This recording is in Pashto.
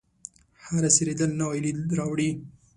هره څیرېدل نوی لید راوړي.